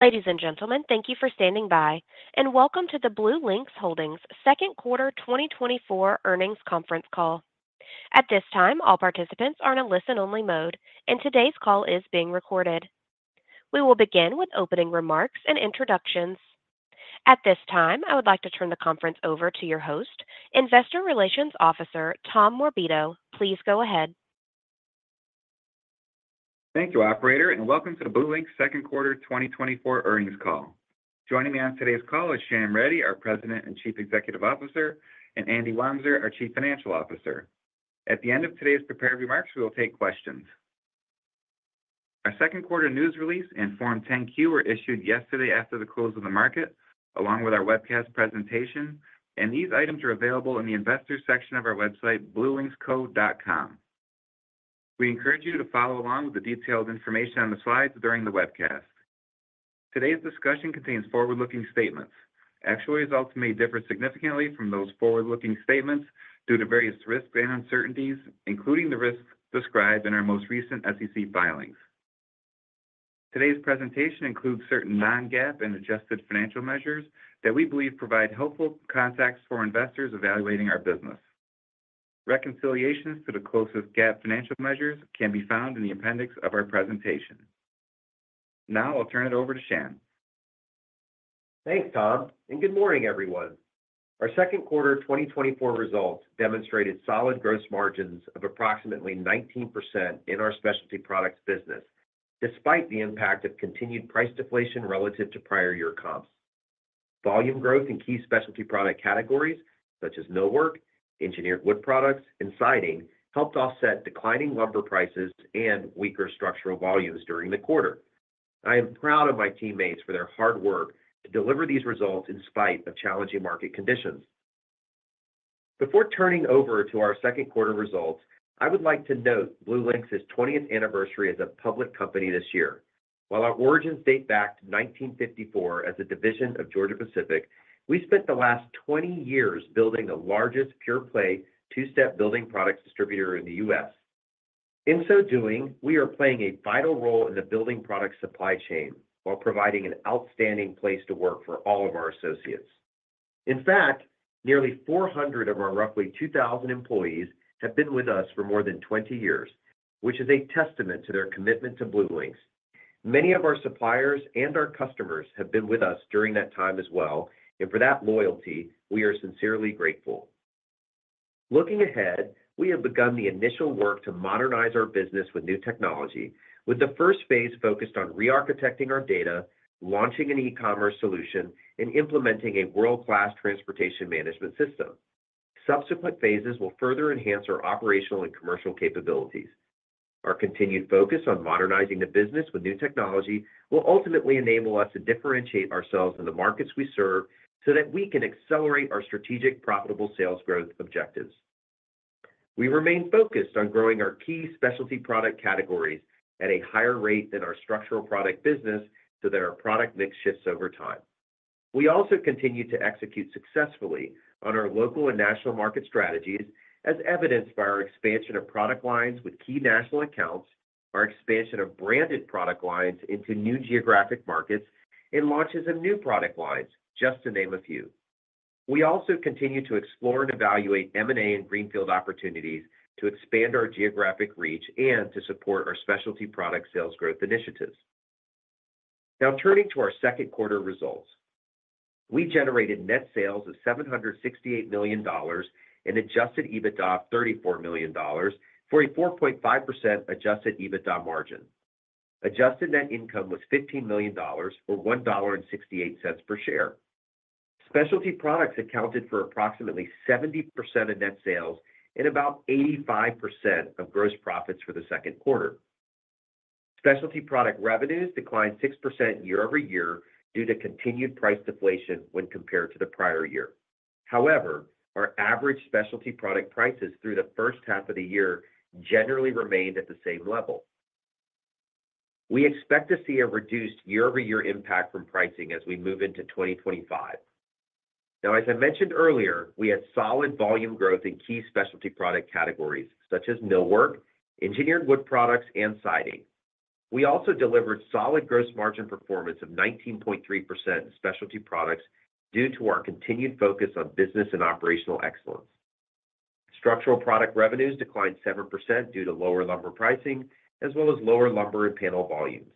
Ladies and gentlemen, thank you for standing by, and welcome to the BlueLinx Holdings Second Quarter 2024 Earnings Conference Call. At this time, all participants are in a listen-only mode, and today's call is being recorded. We will begin with opening remarks and introductions. At this time, I would like to turn the conference over to your host, Investor Relations Officer, Tom Morabito. Please go ahead. Thank you, operator, and welcome to the BlueLinx Second Quarter 2024 Earnings Call. Joining me on today's call is Shyam Reddy, our President and Chief Executive Officer, and Andrew Wamser, our Chief Financial Officer. At the end of today's prepared remarks, we will take questions. Our second quarter news release and Form 10-Q were issued yesterday after the close of the market, along with our webcast presentation, and these items are available in the investors section of our website, bluelinxco.com. We encourage you to follow along with the detailed information on the slides during the webcast. Today's discussion contains forward-looking statements. Actual results may differ significantly from those forward-looking statements due to various risks and uncertainties, including the risks described in our most recent SEC filings. Today's presentation includes certain non-GAAP and adjusted financial measures that we believe provide helpful context for investors evaluating our business. Reconciliations to the closest GAAP financial measures can be found in the appendix of our presentation. Now I'll turn it over to Shyam. Thanks, Tom, and good morning, everyone. Our second quarter 2024 results demonstrated solid gross margins of approximately 19% in our specialty products business, despite the impact of continued price deflation relative to prior year comps. Volume growth in key specialty product categories such as millwork, engineered wood products, and siding, helped offset declining lumber prices and weaker structural volumes during the quarter. I am proud of my teammates for their hard work to deliver these results in spite of challenging market conditions. Before turning over to our second quarter results, I would like to note BlueLinx's 20th anniversary as a public company this year. While our origins date back to 1954 as a division of Georgia-Pacific, we spent the last 20 years building the largest pure-play, two-step building products distributor in the U.S. In so doing, we are playing a vital role in the building product supply chain while providing an outstanding place to work for all of our associates. In fact, nearly 400 of our roughly 2,000 employees have been with us for more than 20 years, which is a testament to their commitment to BlueLinx. Many of our suppliers and our customers have been with us during that time as well, and for that loyalty, we are sincerely grateful. Looking ahead, we have begun the initial work to modernize our business with new technology, with the first phase focused on rearchitecting our data, launching an e-commerce solution, and implementing a world-class transportation management system. Subsequent phases will further enhance our operational and commercial capabilities. Our continued focus on modernizing the business with new technology will ultimately enable us to differentiate ourselves in the markets we serve, so that we can accelerate our strategic, profitable sales growth objectives. We remain focused on growing our key specialty product categories at a higher rate than our structural product business, so that our product mix shifts over time. We also continue to execute successfully on our local and national market strategies, as evidenced by our expansion of product lines with key national accounts, our expansion of branded product lines into new geographic markets, and launches of new product lines, just to name a few. We also continue to explore and evaluate M&A and greenfield opportunities to expand our geographic reach and to support our specialty product sales growth initiatives. Now, turning to our second quarter results. We generated net sales of $768 million and adjusted EBITDA of $34 million for a 4.5% adjusted EBITDA margin. Adjusted net income was $15 million, or $1.68 per share. Specialty products accounted for approximately 70% of net sales and about 85% of gross profits for the second quarter. Specialty product revenues declined 6% year-over-year due to continued price deflation when compared to the prior year. However, our average specialty product prices through the first half of the year generally remained at the same level. We expect to see a reduced year-over-year impact from pricing as we move into 2025. Now, as I mentioned earlier, we had solid volume growth in key specialty product categories such as millwork, engineered wood products, and siding. We also delivered solid gross margin performance of 19.3% in specialty products due to our continued focus on business and operational excellence. Structural product revenues declined 7% due to lower lumber pricing, as well as lower lumber and panel volumes.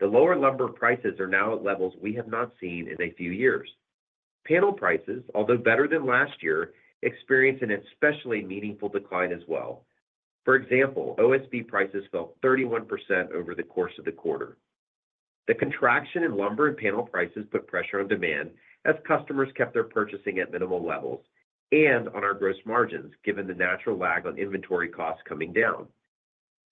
The lower lumber prices are now at levels we have not seen in a few years. Panel prices, although better than last year, experienced an especially meaningful decline as well. For example, OSB prices fell 31% over the course of the quarter. The contraction in lumber and panel prices put pressure on demand as customers kept their purchasing at minimal levels and on our gross margins, given the natural lag on inventory costs coming down.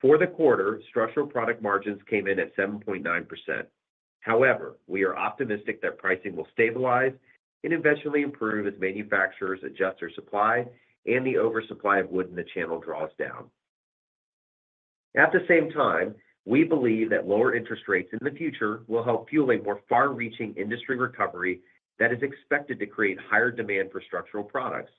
For the quarter, structural product margins came in at 7.9%.However, we are optimistic that pricing will stabilize and eventually improve as manufacturers adjust their supply and the oversupply of wood in the channel draws down. At the same time, we believe that lower interest rates in the future will help fuel a more far-reaching industry recovery that is expected to create higher demand for structural products.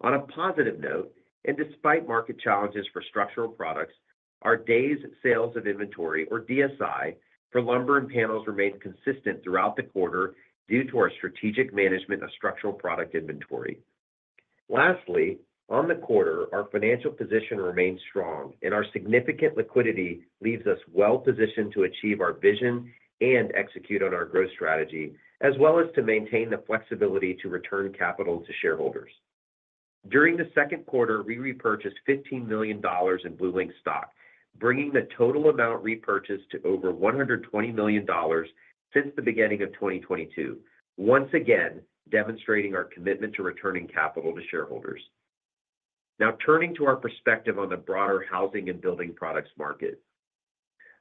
On a positive note, and despite market challenges for structural products, our days sales of inventory, or DSI, for lumber and panels remained consistent throughout the quarter due to our strategic management of structural product inventory. Lastly, on the quarter, our financial position remains strong, and our significant liquidity leaves us well-positioned to achieve our vision and execute on our growth strategy, as well as to maintain the flexibility to return capital to shareholders. During the second quarter, we repurchased $15 million in BlueLinx stock, bringing the total amount repurchased to over $120 million since the beginning of 2022. Once again, demonstrating our commitment to returning capital to shareholders. Now, turning to our perspective on the broader housing and building products market.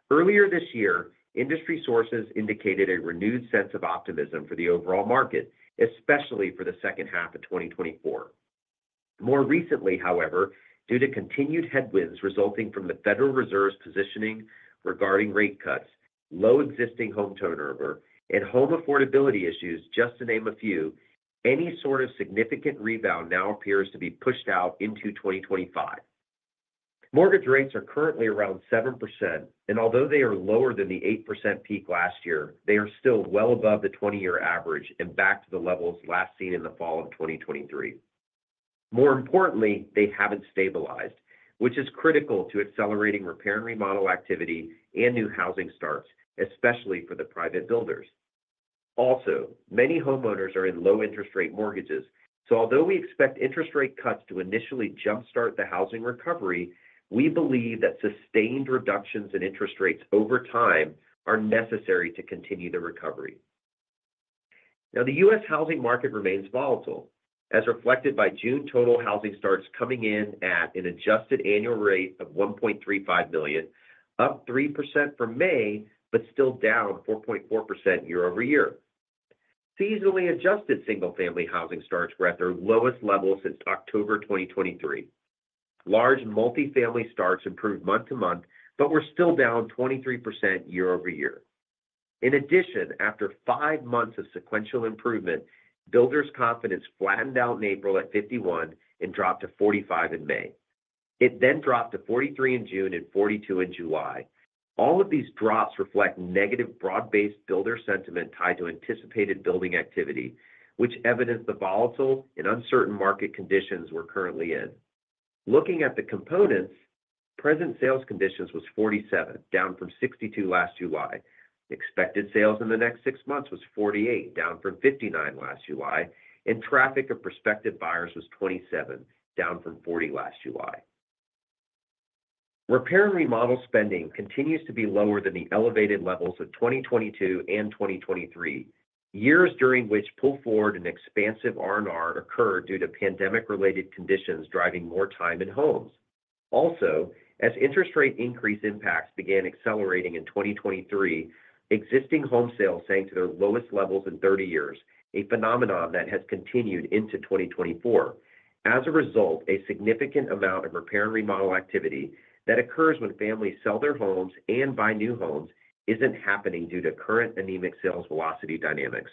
Earlier this year, industry sources indicated a renewed sense of optimism for the overall market, especially for the second half of 2024. More recently, however, due to continued headwinds resulting from the Federal Reserve's positioning regarding rate cuts, low existing home turnover, and home affordability issues, just to name a few, any sort of significant rebound now appears to be pushed out into 2025. Mortgage rates are currently around 7%, and although they are lower than the 8% peak last year, they are still well above the 20-year average and back to the levels last seen in the fall of 2023. More importantly, they haven't stabilized, which is critical to accelerating repair and remodel activity and new housing starts, especially for the private builders. Also, many homeowners are in low interest rate mortgages. So although we expect interest rate cuts to initially jumpstart the housing recovery, we believe that sustained reductions in interest rates over time are necessary to continue the recovery. Now, the US housing market remains volatile, as reflected by June total housing starts coming in at an adjusted annual rate of 1.35 billion, up 3% from May, but still down 4.4% year-over-year. Seasonally adjusted single-family housing starts were at their lowest level since October 2023. Large multifamily starts improved month-to-month, but were still down 23% year-over-year. In addition, after five months of sequential improvement, builders' confidence flattened out in April at 51 and dropped to 45 in May. It then dropped to 43 in June and 42 in July. All of these drops reflect negative broad-based builder sentiment tied to anticipated building activity, which evidenced the volatile and uncertain market conditions we're currently in. Looking at the components, present sales conditions was 47, down from 62 last July. Expected sales in the next six months was 48, down from 59 last July, and traffic of prospective buyers was 27, down from 40 last July. Repair and remodel spending continues to be lower than the elevated levels of 2022 and 2023, years during which pull forward and expansive R&R occurred due to pandemic-related conditions, driving more time in homes. Also, as interest rate increase impacts began accelerating in 2023, existing home sales sank to their lowest levels in 30 years, a phenomenon that has continued into 2024. As a result, a significant amount of repair and remodel activity that occurs when families sell their homes and buy new homes isn't happening due to current anemic sales velocity dynamics.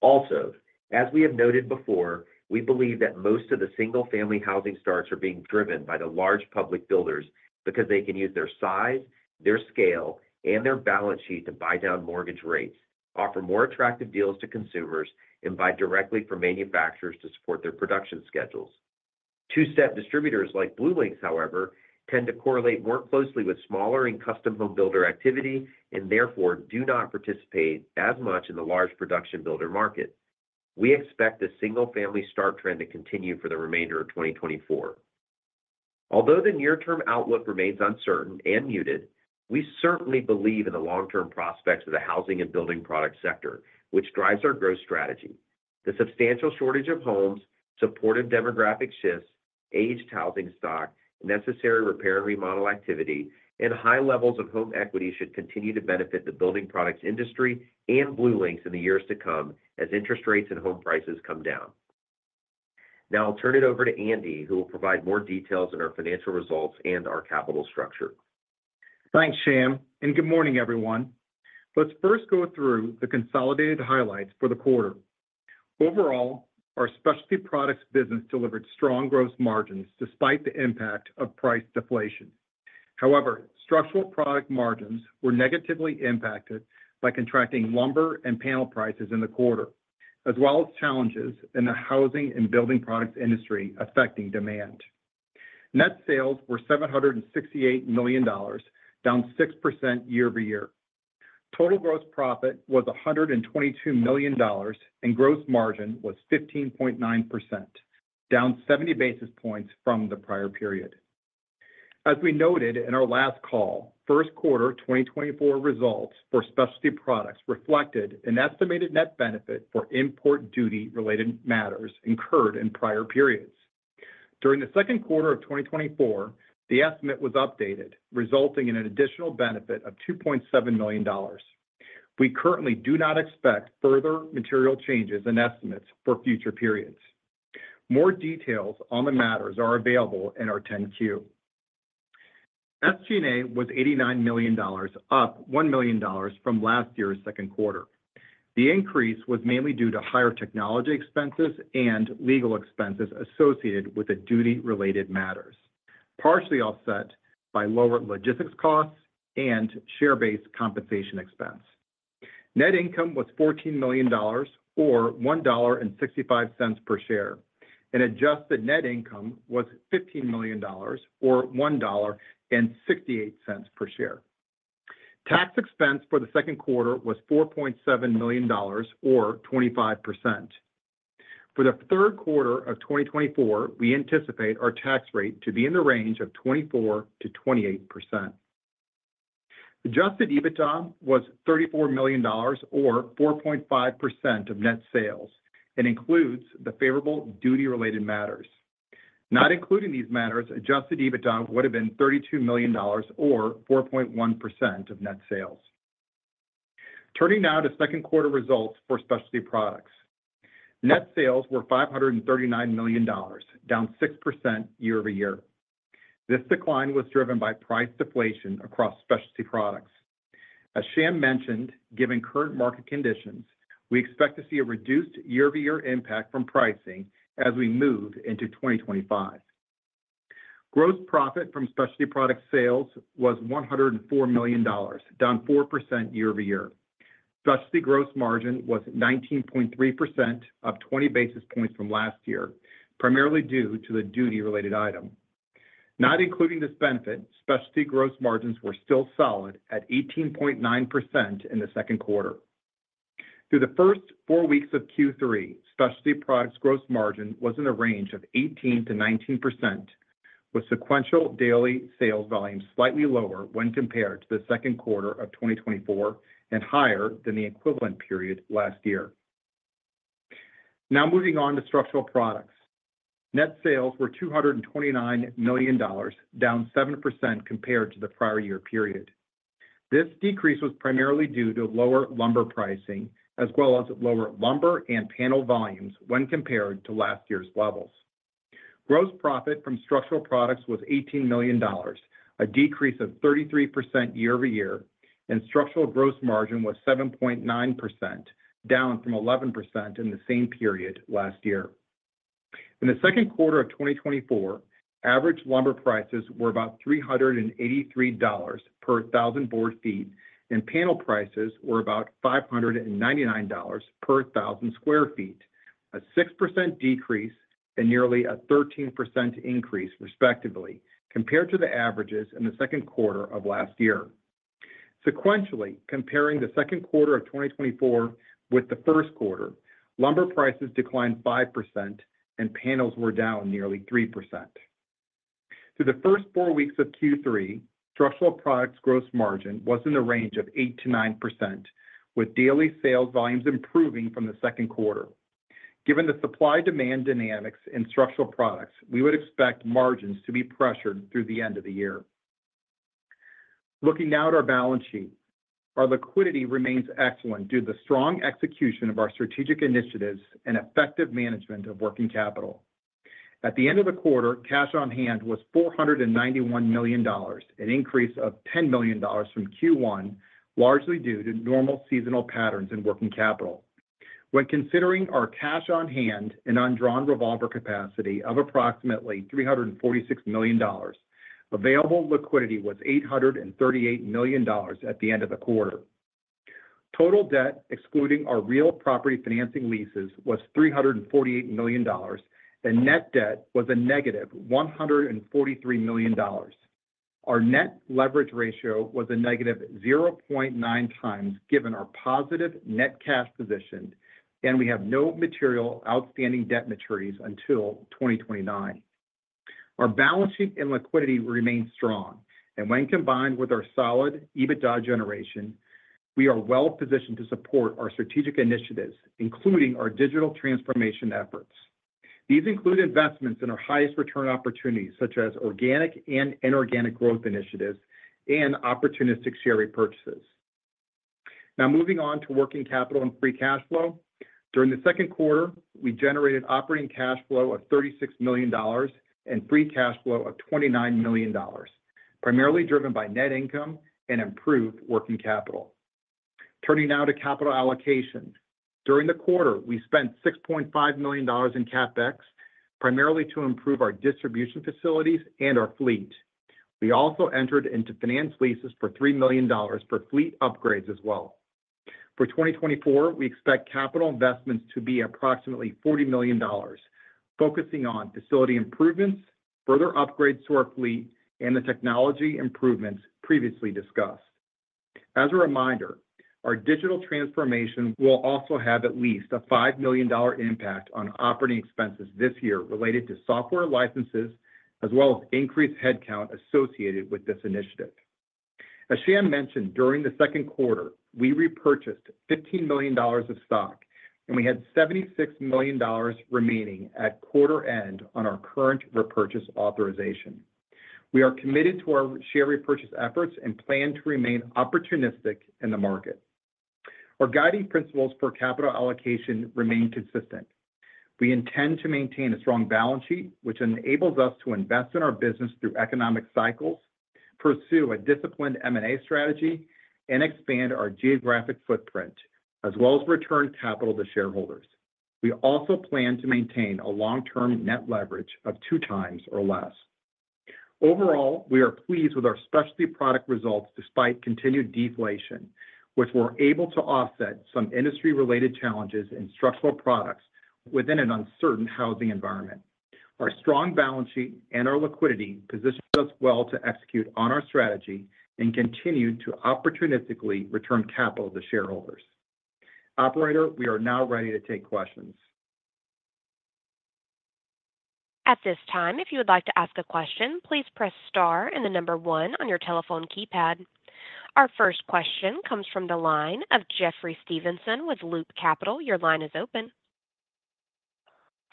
Also, as we have noted before, we believe that most of the single-family housing starts are being driven by the large public builders because they can use their size, their scale, and their balance sheet to buy down mortgage rates, offer more attractive deals to consumers, and buy directly from manufacturers to support their production schedules. Two-step distributors like BlueLinx, however, tend to correlate more closely with smaller and custom home builder activity, and therefore, do not participate as much in the large production builder market. We expect the single-family start trend to continue for the remainder of 2024. Although the near-term outlook remains uncertain and muted, we certainly believe in the long-term prospects of the housing and building product sector, which drives our growth strategy. The substantial shortage of homes, supportive demographic shifts, aged housing stock, necessary repair and remodel activity, and high levels of home equity should continue to benefit the building products industry and BlueLinx in the years to come as interest rates and home prices come down. Now I'll turn it over to Andy, who will provide more details on our financial results and our capital structure. Thanks, Shyam, and good morning, everyone. Let's first go through the consolidated highlights for the quarter. Overall, our specialty products business delivered strong gross margins despite the impact of price deflation. However, structural product margins were negatively impacted by contracting lumber and panel prices in the quarter, as well as challenges in the housing and building products industry affecting demand. Net sales were $768 million, down 6% year-over-year. Total gross profit was $122 million, and gross margin was 15.9%, down 70 basis points from the prior period. As we noted in our last call, first quarter 2024 results for specialty products reflected an estimated net benefit for import duty-related matters incurred in prior periods. During the second quarter of 2024, the estimate was updated, resulting in an additional benefit of $2.7 million. We currently do not expect further material changes in estimates for future periods. More details on the matters are available in our 10-Q. SG&A was $89 million, up $1 million from last year's second quarter. The increase was mainly due to higher technology expenses and legal expenses associated with the duty-related matters, partially offset by lower logistics costs and share-based compensation expense. Net income was $14 million or $1.65 per share, and adjusted net income was $15 million or $1.68 per share. Tax expense for the second quarter was $4.7 million or 25%. For the third quarter of 2024, we anticipate our tax rate to be in the range of 24%-28%. Adjusted EBITDA was $34 million or 4.5% of net sales, and includes the favorable duty-related matters. Not including these matters, Adjusted EBITDA would have been $32 million or 4.1% of net sales. Turning now to second quarter results for Specialty Products. Net sales were $539 million, down 6% year-over-year. This decline was driven by price deflation across specialty products. As Shyam mentioned, given current market conditions, we expect to see a reduced year-over-year impact from pricing as we move into 2025. Gross profit from Specialty Products sales was $104 million, down 4% year-over-year. Specialty gross margin was 19.3%, up 20 basis points from last year, primarily due to the duty-related item. Not including this benefit, specialty gross margins were still solid at 18.9% in the second quarter. Through the first four weeks of Q3, Specialty Products gross margin was in a range of 18%-19%, with sequential daily sales volumes slightly lower when compared to the second quarter of 2024 and higher than the equivalent period last year. Now moving on to Structural Products. Net sales were $229 million, down 7% compared to the prior year period. This decrease was primarily due to lower lumber pricing, as well as lower lumber and panel volumes when compared to last year's levels. Gross profit from Structural Products was $18 million, a decrease of 33% year over year, and structural gross margin was 7.9%, down from 11% in the same period last year.In the second quarter of 2024, average lumber prices were about $383 per thousand board feet, and panel prices were about $599 per thousand square feet, a 6% decrease and nearly a 13% increase, respectively, compared to the averages in the second quarter of last year. Sequentially, comparing the second quarter of 2024 with the first quarter, lumber prices declined 5% and panels were down nearly 3%. Through the first four weeks of Q3, Structural Products gross margin was in the range of 8%-9%, with daily sales volumes improving from the second quarter. Given the supply-demand dynamics in Structural Products, we would expect margins to be pressured through the end of the year. Looking now at our balance sheet, our liquidity remains excellent due to the strong execution of our strategic initiatives and effective management of working capital. At the end of the quarter, cash on hand was $491 million, an increase of $10 million from Q1, largely due to normal seasonal patterns in working capital. When considering our cash on hand and undrawn revolver capacity of approximately $346 million, available liquidity was $838 million at the end of the quarter. Total debt, excluding our real property financing leases, was $348 million, and net debt was a negative $143 million. Our net leverage ratio was a negative 0.9x, given our positive net cash position, and we have no material outstanding debt maturities until 2029.Our balance sheet and liquidity remain strong, and when combined with our solid EBITDA generation, we are well positioned to support our strategic initiatives, including our digital transformation efforts. These include investments in our highest return opportunities, such as organic and inorganic growth initiatives and opportunistic share repurchases. Now, moving on to working capital and free cash flow. During the second quarter, we generated operating cash flow of $36 million and free cash flow of $29 million, primarily driven by net income and improved working capital. Turning now to capital allocation. During the quarter, we spent $6.5 million in CapEx, primarily to improve our distribution facilities and our fleet. We also entered into finance leases for $3 million for fleet upgrades as well. For 2024, we expect capital investments to be approximately $40 million, focusing on facility improvements, further upgrades to our fleet, and the technology improvements previously discussed. As a reminder, our digital transformation will also have at least a $5 million impact on operating expenses this year related to software licenses, as well as increased headcount associated with this initiative. As Shyam mentioned, during the second quarter, we repurchased $15 million of stock, and we had $76 million remaining at quarter end on our current repurchase authorization. We are committed to our share repurchase efforts and plan to remain opportunistic in the market.... Our guiding principles for capital allocation remain consistent. We intend to maintain a strong balance sheet, which enables us to invest in our business through economic cycles, pursue a disciplined M&A strategy, and expand our geographic footprint, as well as return capital to shareholders. We also plan to maintain a long-term net leverage of 2x or less. Overall, we are pleased with our specialty product results despite continued deflation, which we're able to offset some industry-related challenges in structural products within an uncertain housing environment. Our strong balance sheet and our liquidity positions us well to execute on our strategy and continue to opportunistically return capital to shareholders. Operator, we are now ready to take questions. At this time, if you would like to ask a question, please press star and the number one on your telephone keypad. Our first question comes from the line of Jeffrey Stevenson with Loop Capital. Your line is open.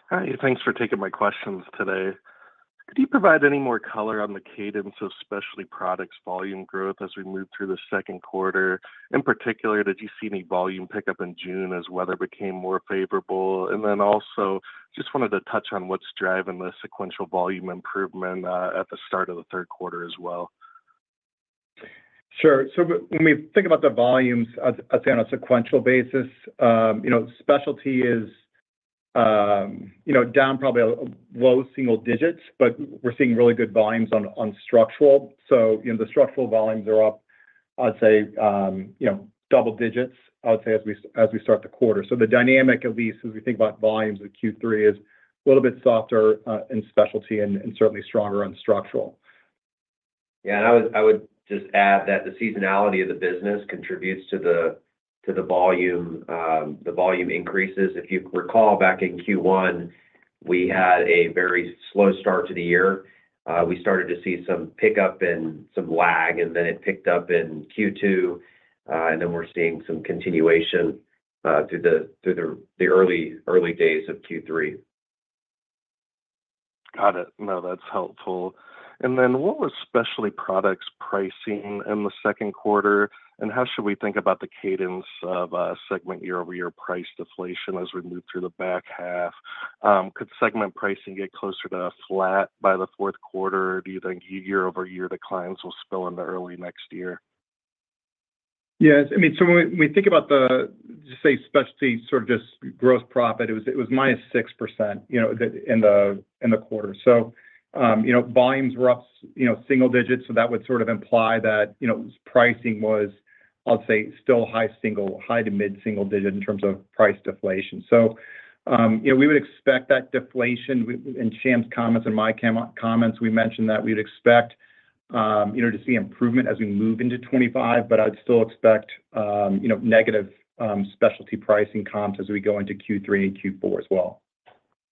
Hi, thanks for taking my questions today. Could you provide any more color on the cadence of specialty products volume growth as we move through the second quarter? In particular, did you see any volume pickup in June as weather became more favorable? And then also, just wanted to touch on what's driving the sequential volume improvement at the start of the third quarter as well. Sure. So when we think about the volumes, I'd say on a sequential basis, you know, specialty is, you know, down probably low single digits, but we're seeing really good volumes on structural. So, you know, the structural volumes are up, I'd say, you know, double digits, I would say, as we start the quarter. So the dynamic, at least as we think about volumes in Q3, is a little bit softer in specialty and certainly stronger on structural. Yeah. And I would, I would just add that the seasonality of the business contributes to the, to the volume, the volume increases. If you recall, back in Q1, we had a very slow start to the year. We started to see some pickup and some lag, and then it picked up in Q2, and then we're seeing some continuation, through the, through the, the early, early days of Q3. Got it. No, that's helpful. And then what was specialty products pricing in the second quarter, and how should we think about the cadence of segment year-over-year price deflation as we move through the back half? Could segment pricing get closer to flat by the fourth quarter? Do you think year-over-year declines will spill into early next year? Yes. I mean, so when we think about the, just say, specialty, sort of, just gross profit, it was minus 6%, you know, in the quarter. So, you know, volumes were up single digits, so that would sort of imply that, you know, pricing was, I'll say, still high single... high- to mid-single-digit in terms of price deflation. So, you know, we would expect that deflation. In Shyam's comments and my comments, we mentioned that we'd expect, you know, to see improvement as we move into 2025, but I'd still expect, you know, negative specialty pricing comps as we go into Q3 and Q4 as well.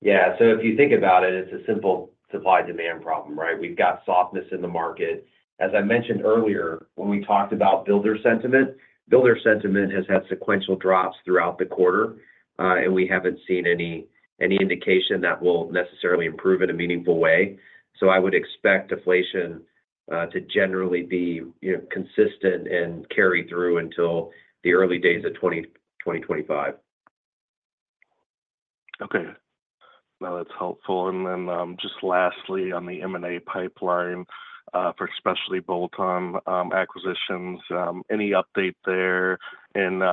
Yeah. So if you think about it, it's a simple supply-demand problem, right? We've got softness in the market. As I mentioned earlier, when we talked about builder sentiment, builder sentiment has had sequential drops throughout the quarter, and we haven't seen any indication that will necessarily improve in a meaningful way. So I would expect deflation to generally be, you know, consistent and carry through until the early days of 2025. Okay. No, that's helpful. And then, just lastly, on the M&A pipeline, for specialty bolt-on acquisitions, any update there and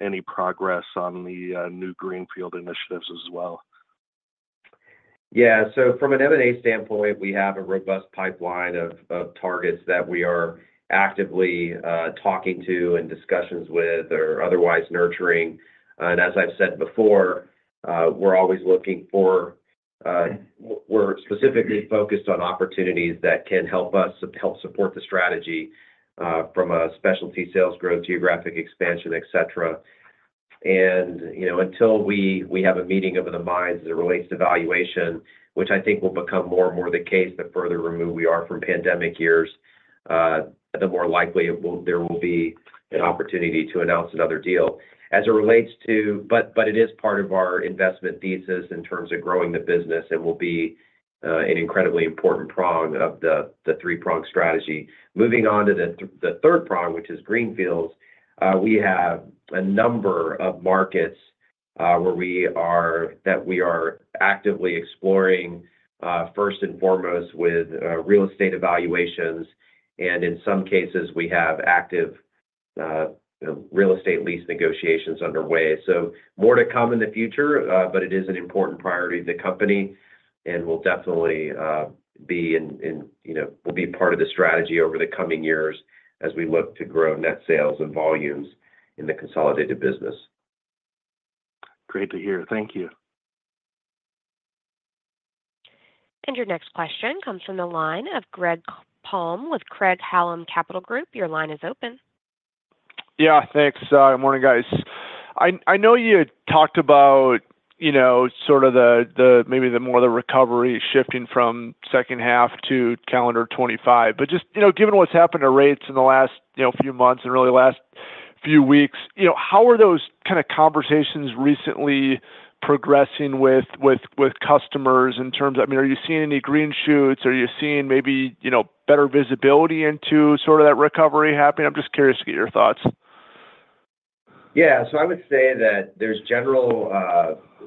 any progress on the new greenfield initiatives as well? Yeah. So from an M&A standpoint, we have a robust pipeline of targets that we are actively talking to and discussions with or otherwise nurturing. And as I've said before, we're always looking for. We're specifically focused on opportunities that can help us help support the strategy from a specialty sales growth, geographic expansion, etcetera. And, you know, until we have a meeting of the minds as it relates to valuation, which I think will become more and more the case, the further removed we are from pandemic years, the more likely there will be an opportunity to announce another deal. But it is part of our investment thesis in terms of growing the business and will be an incredibly important prong of the three-prong strategy. Moving on to the third prong, which is greenfields, we have a number of markets where we are actively exploring, first and foremost with real estate evaluations, and in some cases we have active real estate lease negotiations underway. So more to come in the future, but it is an important priority of the company, and we'll definitely, you know, will be part of the strategy over the coming years as we look to grow net sales and volumes in the consolidated business. Great to hear. Thank you. Your next question comes from the line of Greg Palm with Craig-Hallum Capital Group. Your line is open. Yeah, thanks. Good morning, guys. I know you talked about, you know, sort of the, the, maybe the more the recovery shifting from second half to calendar 25. But just, you know, given what's happened to rates in the last, you know, few months and really last few weeks, you know, how are those kind of conversations recently progressing with customers in terms of... I mean, are you seeing any green shoots? Are you seeing maybe, you know, better visibility into sort of that recovery happening? I'm just curious to get your thoughts. Yeah, so I would say that there's general,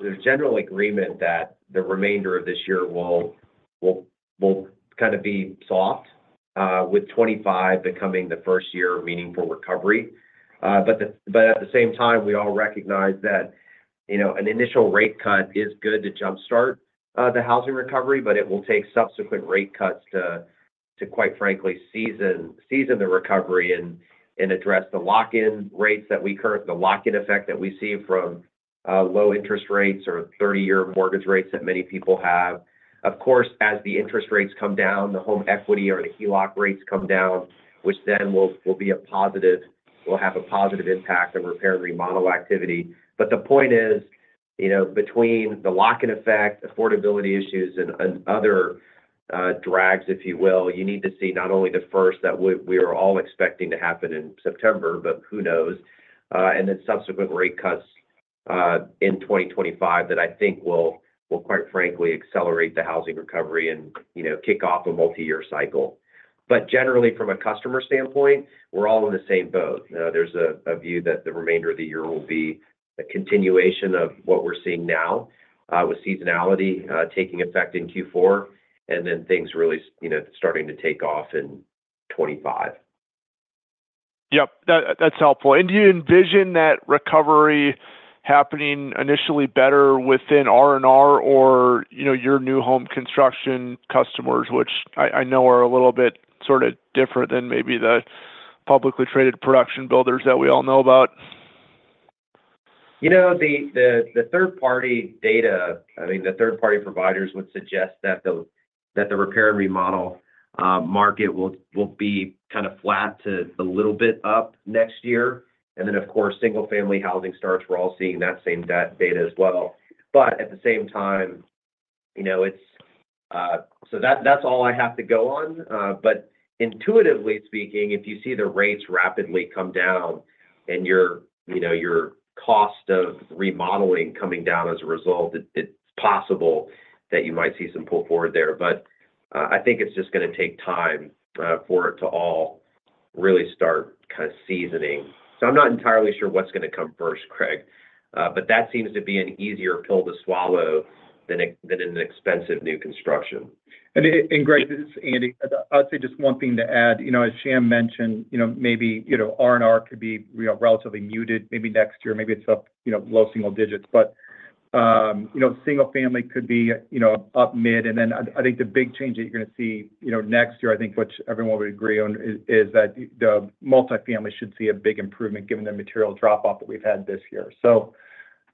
there's general agreement that the remainder of this year will kind of be soft, with 2025 becoming the first year of meaningful recovery. But at the same time, we all recognize that, you know, an initial rate cut is good to jumpstart the housing recovery, but it will take subsequent rate cuts to, quite frankly, season the recovery and address the lock-in effect that we see from low interest rates or 30-year mortgage rates that many people have. Of course, as the interest rates come down, the home equity or the HELOC rates come down, which then will be a positive, will have a positive impact on repair and remodel activity. But the point is, you know, between the lock-in effect, affordability issues, and other drags, if you will, you need to see not only the first, that we are all expecting to happen in September, but who knows? And then subsequent rate cuts in 2025, that I think will quite frankly accelerate the housing recovery and, you know, kick off a multi-year cycle. But generally, from a customer standpoint, we're all in the same boat. There's a view that the remainder of the year will be a continuation of what we're seeing now with seasonality taking effect in Q4, and then things really, you know, starting to take off in 2025. Yep, that's helpful. And do you envision that recovery happening initially better within R&R or, you know, your new home construction customers, which I know are a little bit sort of different than maybe the publicly traded production builders that we all know about? You know, the third-party data, I mean, the third-party providers would suggest that the repair and remodel market will be kind of flat to a little bit up next year. And then, of course, single-family housing starts, we're all seeing that same data as well. But at the same time, you know, it's. So that, that's all I have to go on. But intuitively speaking, if you see the rates rapidly come down and you know, your cost of remodeling coming down as a result, it's possible that you might see some pull forward there. But, I think it's just gonna take time, for it to all really start kind of seasoning. So I'm not entirely sure what's gonna come first, Craig, but that seems to be an easier pill to swallow than an expensive new construction. Greg, this is Andy. I'd say just one thing to add. You know, as Shyam mentioned, you know, maybe, you know, R&R could be relatively muted, maybe next year, maybe it's up, you know, low single digits. But, you know, single family could be, you know, up mid. And then I think the big change that you're gonna see, you know, next year, I think, which everyone would agree on, is that the multifamily should see a big improvement given the material drop off that we've had this year. So,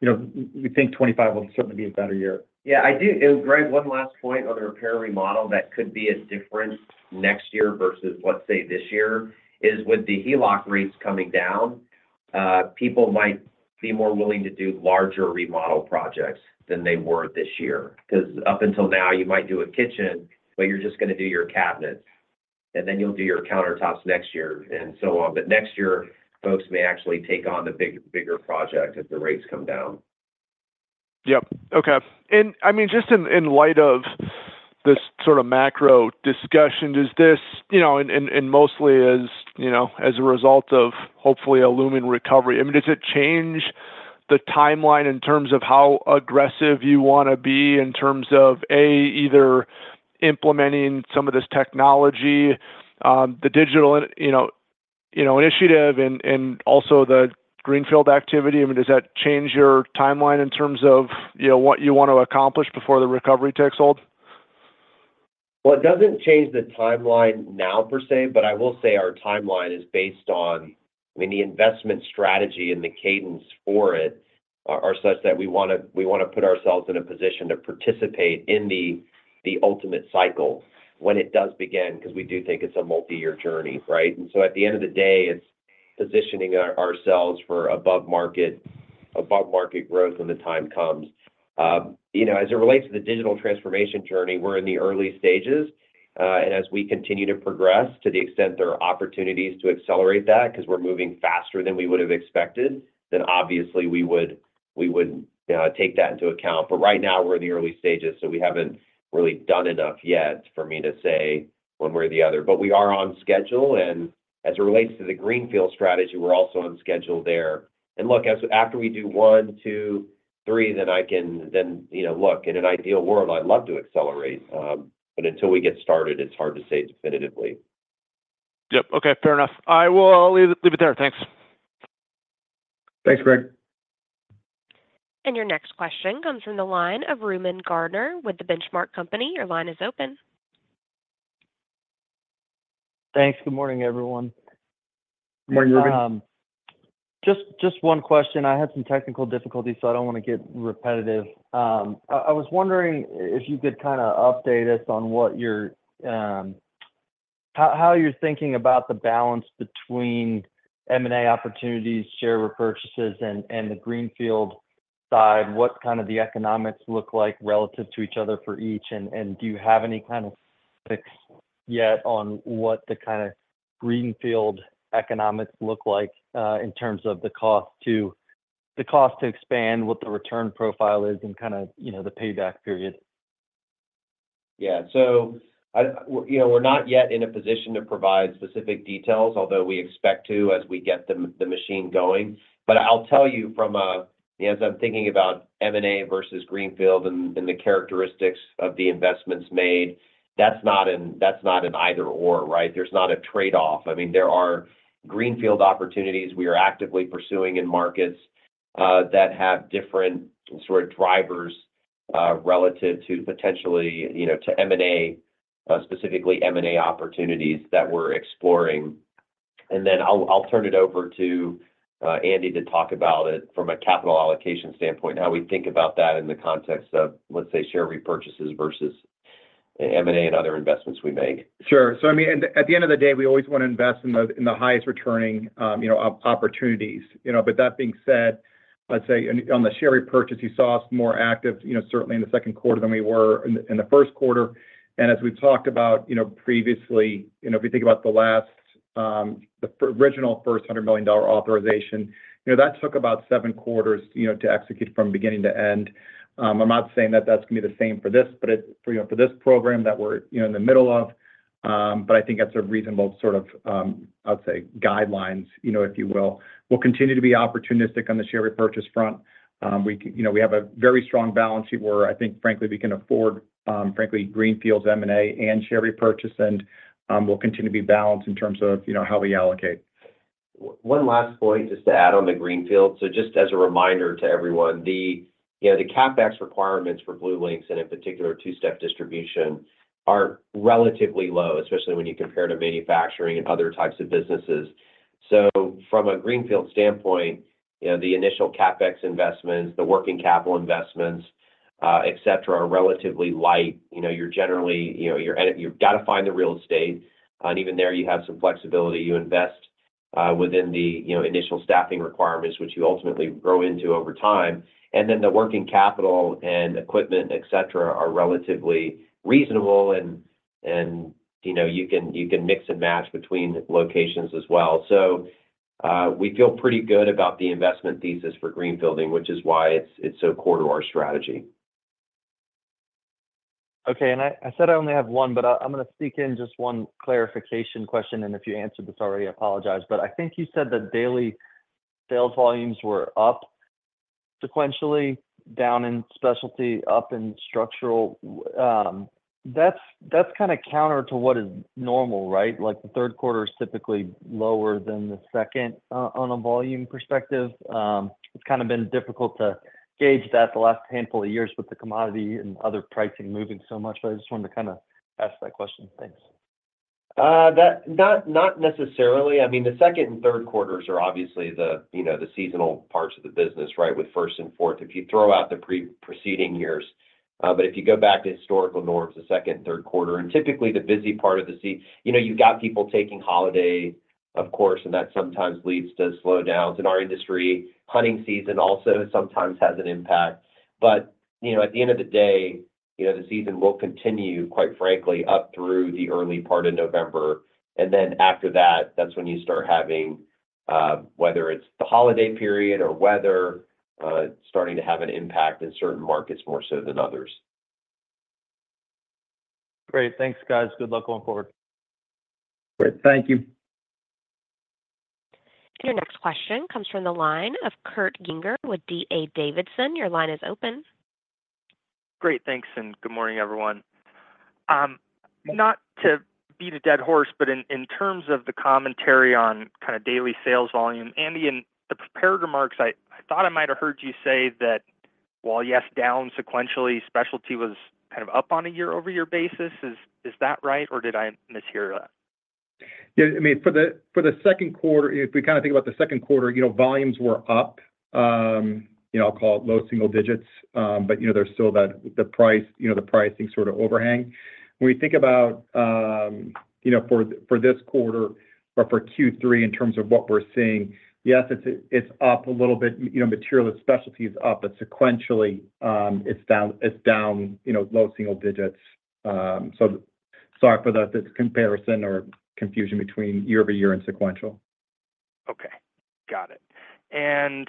you know, we think 2025 will certainly be a better year. Yeah, I do. And Greg, one last point on the repair remodel that could be a difference next year versus, let's say, this year, is with the HELOC rates coming down, people might be more willing to do larger remodel projects than they were this year, 'cause up until now, you might do a kitchen, but you're just gonna do your cabinets, and then you'll do your countertops next year, and so on. But next year, folks may actually take on the bigger project as the rates come down. Yep. Okay. And I mean, just in light of this sort of macro discussion, does this, you know, and mostly as, you know, as a result of hopefully a looming recovery, I mean, does it change the timeline in terms of how aggressive you wanna be in terms of, A, either implementing some of this technology, the digital, you know, initiative and also the greenfield activity? I mean, does that change your timeline in terms of, you know, what you want to accomplish before the recovery takes hold? Well, it doesn't change the timeline now, per se, but I will say our timeline is based on... I mean, the investment strategy and the cadence for it are, are such that we wanna, we wanna put ourselves in a position to participate in the, the ultimate cycle when it does begin, 'cause we do think it's a multi-year journey, right? And so at the end of the day, it's positioning ourselves for above market, above market growth when the time comes. You know, as it relates to the digital transformation journey, we're in the early stages, and as we continue to progress, to the extent there are opportunities to accelerate that, 'cause we're moving faster than we would have expected, then obviously we would, we would, take that into account. Right now, we're in the early stages, so we haven't really done enough yet for me to say one way or the other. We are on schedule, and as it relates to the Greenfield strategy, we're also on schedule there. Look, after we do one, two, three, then I can then... You know, look, in an ideal world, I'd love to accelerate, but until we get started, it's hard to say definitively. Yep. Okay, fair enough. I will leave it, leave it there. Thanks. Thanks, Greg. Your next question comes from the line of Reuben Garner with The Benchmark Company. Your line is open. Thanks. Good morning, everyone. Good morning, Reuben. Just, just one question. I had some technical difficulties, so I don't wanna get repetitive. I was wondering if you could kinda update us on what you're, how you're thinking about the balance between M&A opportunities, share repurchases, and the greenfield side. What kind of the economics look like relative to each other for each, and do you have any kind of fix yet on what the kind of greenfield economics look like, in terms of the cost to expand, what the return profile is, and kind of, you know, the payback period? Yeah. So I, you know, we're not yet in a position to provide specific details, although we expect to as we get the machine going. But I'll tell you from a, as I'm thinking about M&A versus greenfield and the characteristics of the investments made, that's not an either/or, right? There's not a trade-off. I mean, there are greenfield opportunities we are actively pursuing in markets that have different sort of drivers relative to potentially, you know, to M&A, specifically M&A opportunities that we're exploring. And then I'll turn it over to Andy to talk about it from a capital allocation standpoint, and how we think about that in the context of, let's say, share repurchases versus M&A and other investments we make. Sure. So, I mean, at the end of the day, we always want to invest in the highest returning opportunities. You know, but that being said, let's say on the share repurchase, you saw us more active, you know, certainly in the second quarter than we were in the first quarter. And as we've talked about, you know, previously, you know, if you think about the last, the original first $100 million authorization, you know, that took about seven quarters, you know, to execute from beginning to end. I'm not saying that that's gonna be the same for this, but for this program that we're, you know, in the middle of, but I think that's a reasonable sort of, I'd say, guidelines, you know, if you will. We'll continue to be opportunistic on the share repurchase front. You know, we have a very strong balance sheet where I think, frankly, we can afford, frankly, greenfields, M&A, and share repurchase, and, we'll continue to be balanced in terms of, you know, how we allocate. Oh, one last point, just to add on the greenfield. So just as a reminder to everyone, you know, the CapEx requirements for BlueLinx, and in particular, two-step distribution, are relatively low, especially when you compare to manufacturing and other types of businesses. So from a greenfield standpoint, you know, the initial CapEx investments, the working capital investments, et cetera, are relatively light. You know, you're generally, you know, you've got to find the real estate, and even there, you have some flexibility. You invest within the, you know, initial staffing requirements, which you ultimately grow into over time, and then the working capital and equipment, et cetera, are relatively reasonable, and you know, you can mix and match between locations as well. We feel pretty good about the investment thesis for greenfielding, which is why it's so core to our strategy. Okay, and I said I only have one, but I'm gonna sneak in just one clarification question, and if you answered this already, I apologize. But I think you said that daily sales volumes were up sequentially, down in specialty, up in structural. That's kind of counter to what is normal, right? Like, the third quarter is typically lower than the second on a volume perspective. It's kind of been difficult to gauge that the last handful of years with the commodity and other pricing moving so much, but I just wanted to kind of ask that question. Thanks. That not necessarily. I mean, the second and third quarters are obviously the you know the seasonal parts of the business, right, with first and fourth, if you throw out the preceding years. But if you go back to historical norms, the second and third quarter and typically the busy part of the season you know you've got people taking holiday, of course, and that sometimes leads to slowdowns. In our industry, hunting season also sometimes has an impact. But you know at the end of the day you know the season will continue, quite frankly, up through the early part of November, and then after that, that's when you start having whether it's the holiday period or weather starting to have an impact in certain markets more so than others. Great. Thanks, guys. Good luck going forward. Great. Thank you. Your next question comes from the line of Kurt Yinger with D.A. Davidson. Your line is open. Great. Thanks, and good morning, everyone. Not to beat a dead horse, but in terms of the commentary on kind of daily sales volume, Andy, in the prepared remarks, I thought I might have heard you say that while, yes, down sequentially, specialty was kind of up on a year-over-year basis. Is that right, or did I mishear that? Yeah, I mean, for the, for the second quarter, if we kind of think about the second quarter, you know, volumes were up, you know, I'll call it low single digits. But, you know, there's still that, the price, you know, the pricing sort of overhang. When we think about, you know, for, for this quarter or for Q3 in terms of what we're seeing, yes, it's, it's up a little bit. You know, material and specialty is up, but sequentially, it's down, it's down, you know, low single digits. So sorry for the, this comparison or confusion between year-over-year and sequential. Okay. Got it. And,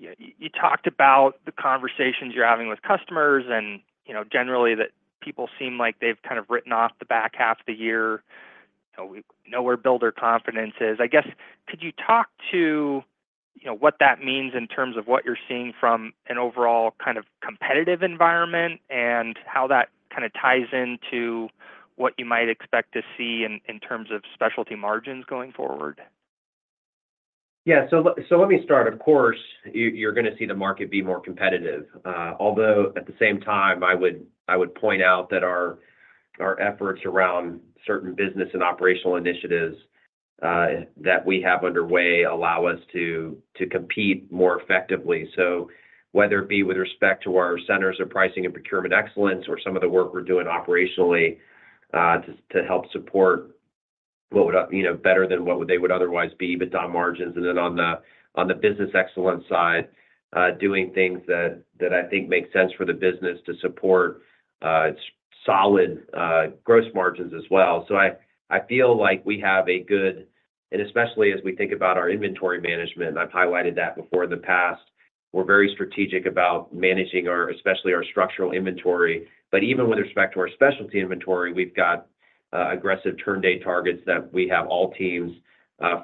you talked about the conversations you're having with customers and, you know, generally that people seem like they've kind of written off the back half of the year, so we know where builder confidence is. I guess, could you talk to, you know, what that means in terms of what you're seeing from an overall kind of competitive environment and how that kind of ties into what you might expect to see in terms of specialty margins going forward? Yeah. So let me start. Of course, you're gonna see the market be more competitive. Although, at the same time, I would point out that our efforts around certain business and operational initiatives that we have underway allow us to compete more effectively. So whether it be with respect to our centers of pricing and procurement excellence or some of the work we're doing operationally to help support what would, you know, better than what would they would otherwise be, EBITDA margins. And then on the business excellence side, doing things that I think make sense for the business to support solid gross margins as well. So I feel like we have a good... Especially as we think about our inventory management, and I've highlighted that before in the past. We're very strategic about managing our, especially our structural inventory. But even with respect to our specialty inventory, we've got aggressive turn day targets that we have all teams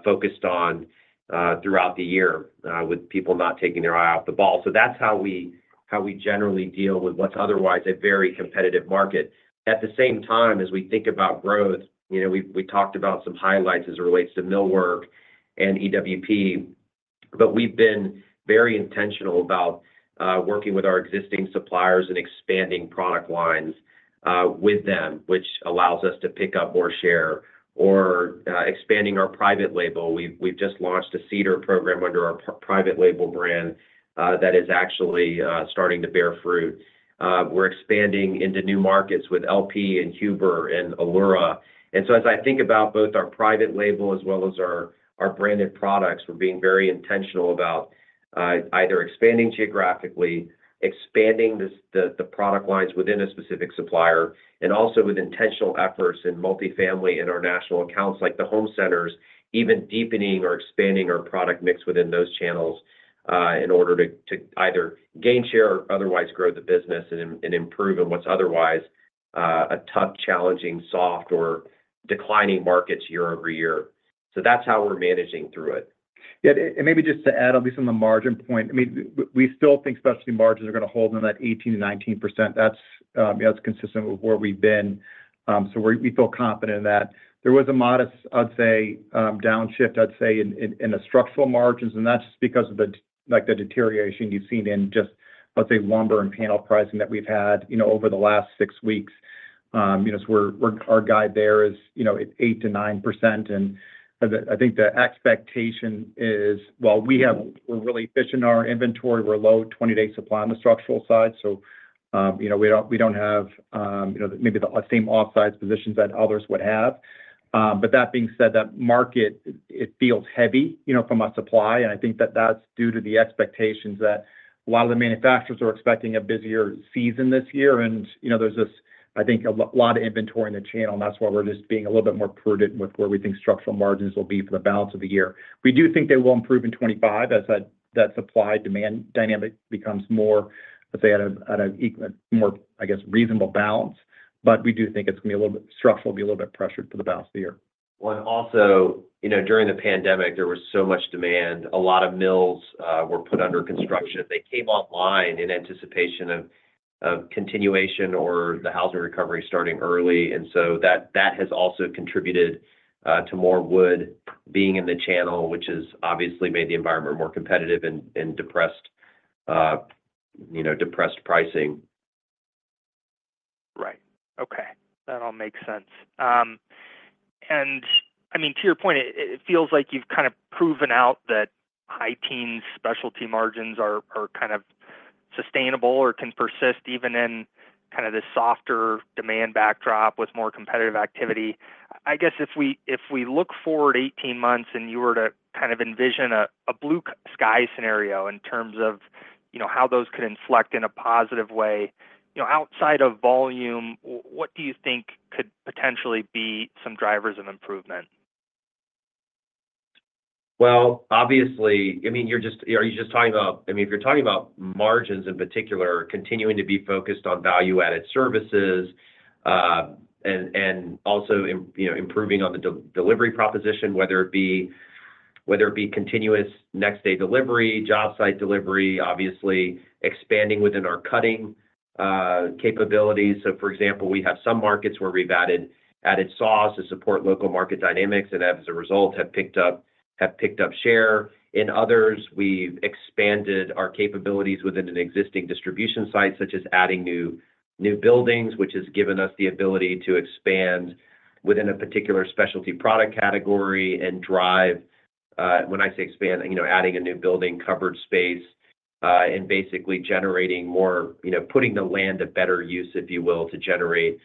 focused on throughout the year with people not taking their eye off the ball. So that's how we, how we generally deal with what's otherwise a very competitive market. At the same time, as we think about growth, you know, we, we talked about some highlights as it relates to millwork and EWP, but we've been very intentional about working with our existing suppliers and expanding product lines with them, which allows us to pick up more share or expanding our private label. We've just launched a cedar program under our private label brand that is actually starting to bear fruit. We're expanding into new markets with LP and Huber and Allura. And so as I think about both our private label as well as our branded products, we're being very intentional about either expanding geographically, expanding the product lines within a specific supplier, and also with intentional efforts in multifamily and our national accounts, like the home centers, even deepening or expanding our product mix within those channels in order to either gain share or otherwise grow the business and improve in what's otherwise a tough, challenging, soft or declining markets year-over-year. So that's how we're managing through it. Yeah, and maybe just to add at least on the margin point, I mean, we still think specialty margins are going to hold in that 18%-19%. That's, that's consistent with where we've been. So we feel confident in that. There was a modest, I'd say, downshift, I'd say, in the structural margins, and that's just because of the, like, the deterioration you've seen in just, let's say, lumber and panel pricing that we've had, you know, over the last six weeks. You know, so we're our guide there is, you know, 8%-9%, and I think the expectation is... Well, we have we're really efficient in our inventory. We're low, 20-day supply on the structural side, so, you know, we don't, we don't have, you know, maybe the same off-site positions that others would have. But that being said, that market, it feels heavy, you know, from a supply, and I think that's due to the expectations that a lot of the manufacturers are expecting a busier season this year. And, you know, there's this, I think, a lot of inventory in the channel, and that's why we're just being a little bit more prudent with where we think structural margins will be for the balance of the year. We do think they will improve in 2025, as that, that supply-demand dynamic becomes more, let's say, at a more, I guess, reasonable balance. But we do think it's going to be a little bit...Structural will be a little bit pressured for the balance of the year. Well, and also, you know, during the pandemic, there was so much demand. A lot of mills were put under construction. They came online in anticipation of continuation or the housing recovery starting early, and so that has also contributed to more wood being in the channel, which has obviously made the environment more competitive and depressed, you know, depressed pricing. Right. Okay, that all makes sense. And I mean, to your point, it feels like you've kind of proven out that high teens specialty margins are kind of sustainable or can persist even in kind of this softer demand backdrop with more competitive activity. I guess if we look forward 18 months, and you were to kind of envision a blue-sky scenario in terms of, you know, how those could inflect in a positive way, you know, outside of volume, what do you think could potentially be some drivers of improvement? Well, obviously, I mean, you're just... Are you just talking about- I mean, if you're talking about margins in particular, continuing to be focused on value-added services, and also, you know, improving on the delivery proposition, whether it be continuous next-day delivery, job site delivery, obviously expanding within our cutting capabilities. So for example, we have some markets where we've added saws to support local market dynamics, and as a result, have picked up share. In others, we've expanded our capabilities within an existing distribution site, such as adding new buildings, which has given us the ability to expand within a particular specialty product category and drive...When I say expand, you know, adding a new building, covered space, and basically generating more, you know, putting the land to better use, if you will, to generate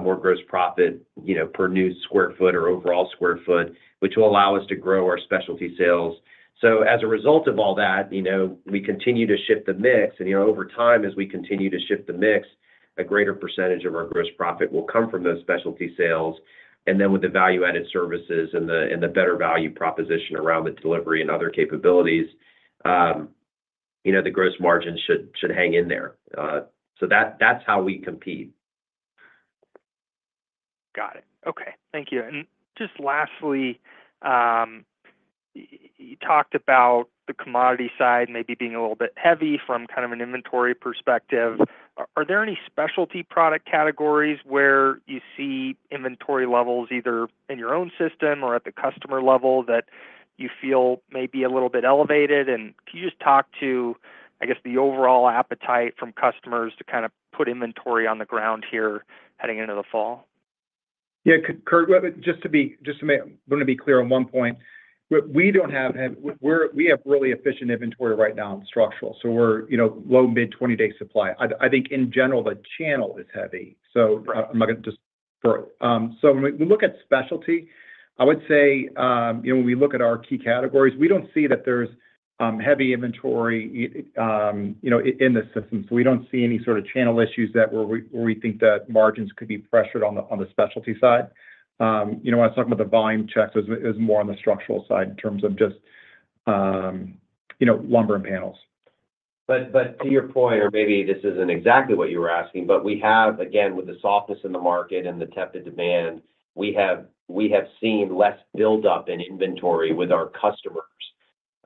more gross profit, you know, per new square foot or overall square foot, which will allow us to grow our specialty sales. So as a result of all that, you know, we continue to shift the mix, and, you know, over time, as we continue to shift the mix, a greater percentage of our gross profit will come from those specialty sales. And then with the value-added services and the, and the better value proposition around the delivery and other capabilities, you know, the gross margin should, should hang in there. So that, that's how we compete. Got it. Okay, thank you. And just lastly, you talked about the commodity side maybe being a little bit heavy from kind of an inventory perspective. Are there any specialty product categories where you see inventory levels, either in your own system or at the customer level, that you feel may be a little bit elevated? And can you just talk to, I guess, the overall appetite from customers to kind of put inventory on the ground here heading into the fall? Yeah, Kurt, just to make... I'm going to be clear on one point. We don't have heavy... We have really efficient inventory right now on structural, so we're, you know, low-mid 20-day supply. I think in general, the channel is heavy, so I'm not going to just for... So when we look at specialty, I would say, you know, when we look at our key categories, we don't see that there's heavy inventory, you know, in the system. So we don't see any sort of channel issues where we think that margins could be pressured on the specialty side. You know, when I was talking about the volume checks, it was more on the structural side in terms of just, you know, lumber and panels. But to your point, or maybe this isn't exactly what you were asking, but we have, again, with the softness in the market and the tepid demand, we have seen less buildup in inventory with our customers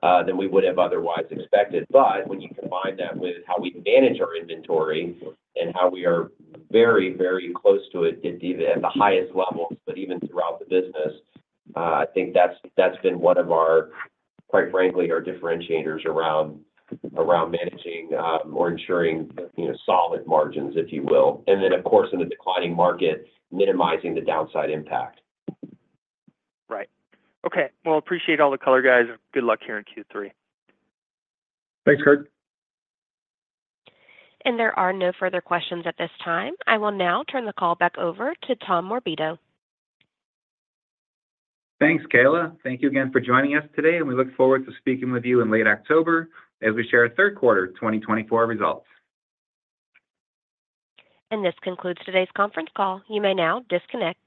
than we would have otherwise expected. But when you combine that with how we manage our inventory and how we are very, very close to it, at even at the highest levels, but even throughout the business, I think that's been one of our, quite frankly, our differentiators around managing or ensuring, you know, solid margins, if you will. And then, of course, in the declining market, minimizing the downside impact. Right. Okay. Well, appreciate all the color, guys. Good luck here in Q3. Thanks, Kurt. There are no further questions at this time. I will now turn the call back over to Tom Morabito. Thanks, Kayla. Thank you again for joining us today, and we look forward to speaking with you in late October as we share our third quarter 2024 results. This concludes today's conference call. You may now disconnect.